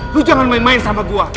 lu jangan main main sama gue